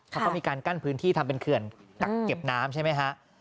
เขาก็มีการกั้นพื้นที่ทำเป็นเขื่อนกักเก็บน้ำใช่ไหมฮะ